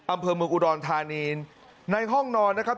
อำเภอเมืองอุดรธานีในห้องนอนนะครับ